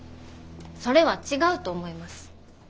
それは違うと思います。